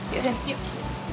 yuk sin yuk